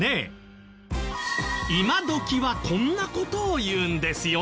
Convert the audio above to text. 今どきはこんな事を言うんですよ。